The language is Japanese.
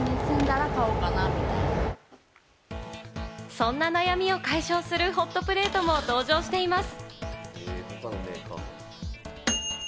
そんな悩みを解消するホットプレートも登場しています。